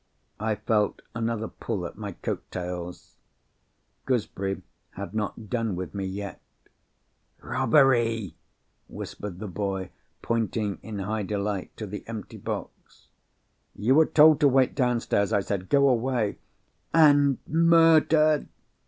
I felt another pull at my coat tails. Gooseberry had not done with me yet. "Robbery!" whispered the boy, pointing, in high delight, to the empty box. "You were told to wait downstairs," I said. "Go away!" "And Murder!"